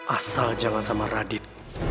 asal jangan sama radit